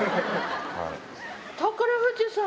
宝富士さん！